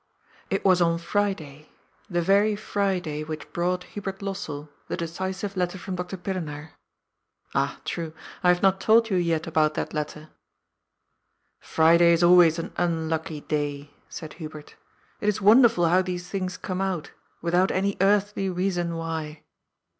It was on Friday, the very Friday which brought Hubert Lossell the decisive letter from Dr. Pillenaar, Ah, true, I have not told you yet about that letter. " Friday is always an unlucky day," said Hubert. " It is wonderful how these things come out, without any earthly reason why."